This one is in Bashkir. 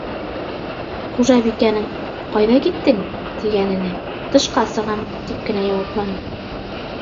Хужабикәнең, ҡайҙа киттең, тигәненә, тышҡа сығам, тип кенә яуапланы.